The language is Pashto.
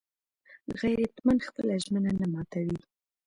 غیرتمند خپله ژمنه نه ماتوي